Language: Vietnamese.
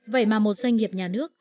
vậy mà một doanh nghiệp nhà nước